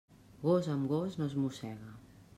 Gos amb gos no es mossega.